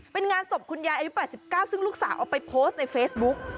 เป็นงานศพคุณยายอายุ๘๙ซึ่งลูกสาวเอาไปโพสต์ในเฟซบุ๊ก